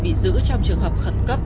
bị giữ trong trường hợp khẩn cấp